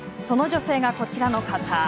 その女性がこちらの方。